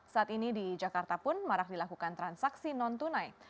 saat ini di jakarta pun marak dilakukan transaksi non tunai